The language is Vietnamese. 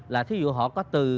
là thí dụ họ có từ